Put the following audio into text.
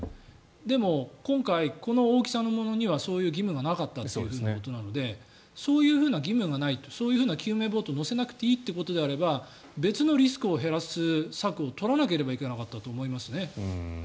でも今回、この大きさのものにはそういう義務がなかったということなのでそういう義務がないとそういう救命ボートを載せなくていいということであれば別のリスクを減らす策を取らなければいけなかったと思いますね。